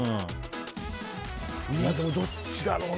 でもどっちだろうな。